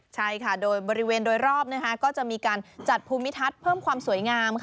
ใช่ค่ะโดยบริเวณโดยรอบก็จะมีการจัดภูมิทัศน์เพิ่มความสวยงาม